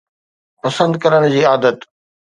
پسند ڪرڻ جي عادت